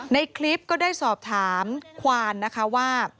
ในคลิปก็ได้สอบถามควานนะคะว่า